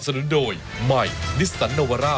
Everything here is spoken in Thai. ชูเว็ตตีแสดหน้า